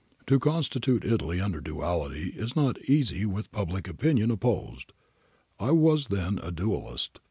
] 'To constitute Italy under Duality is not easy with public opinion opposed. I was then a Dualist.